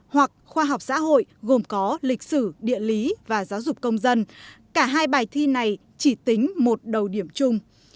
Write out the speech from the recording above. hoặc khoa học xã hội gồm có lịch sử địa lý và giáo dục công dân cả hai bài thi này chỉ tính một đầu điểm chung